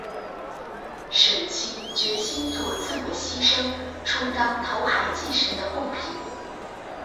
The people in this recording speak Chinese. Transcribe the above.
沈清决心作自我牺牲充当投海祭神的供品。